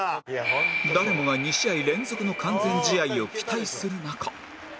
誰もが２試合連続の完全試合を期待する中